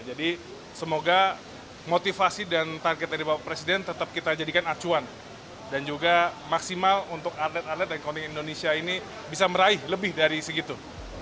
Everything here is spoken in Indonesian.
jadi semoga motivasi dan target dari bapak presiden tetap kita jadikan acuan dan juga maksimal untuk atlet atlet dan koning indonesia ini bisa meraih lebih dari segitu